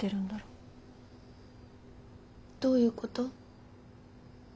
どういうこと？